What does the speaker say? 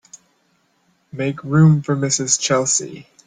Make room for Mrs. Chelsea.